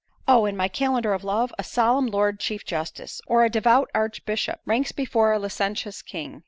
Oh! in my calendar of love, a solemn Lord Chief Justice, or a devout archbishop, ranks before a licentious king."